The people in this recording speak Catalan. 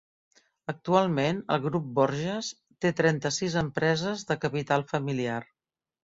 Actualment el grup Borges té trenta-sis empreses de capital familiar.